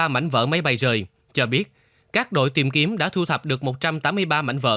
một trăm tám mươi ba mảnh vỡ máy bay rời cho biết các đội tìm kiếm đã thu thập được một trăm tám mươi ba mảnh vỡ